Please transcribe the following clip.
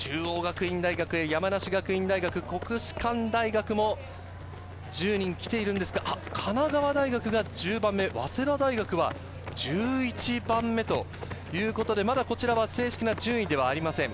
東海大学、中央学院大学、山梨学院大学、国士舘大学も１０人来ているんですが、神奈川大学が１０番目、早稲田大学は１１番目、まだ正式な順位ではありません。